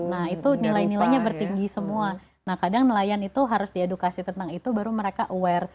nah itu nilai nilainya bertinggi semua nah kadang nelayan itu harus diedukasi tentang itu baru mereka aware